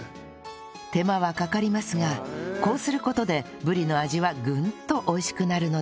手間はかかりますがこうする事でぶりの味はぐんと美味しくなるのだそう